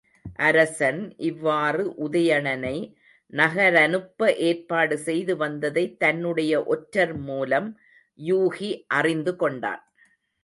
அரசன் இவ்வாறு உதயணனை நகரனுப்ப ஏற்பாடு செய்துவந்ததைத் தன்னுடைய ஒற்றர் மூலம் யூகி அறிந்துகொண்டான்.